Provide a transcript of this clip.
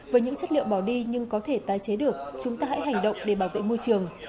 với những chất liệu bỏ đi nhưng có thể tái chế được chúng ta hãy hành động để bảo vệ môi trường